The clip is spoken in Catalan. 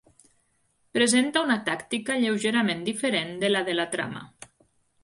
Presenta una tàctica lleugerament diferent de la de la trama.